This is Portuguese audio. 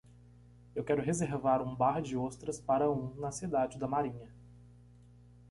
Eu quero reservar um bar de ostras para um na cidade da Marinha.